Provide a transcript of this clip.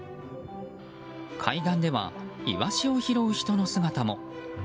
海岸では、イワシを拾う人の姿も。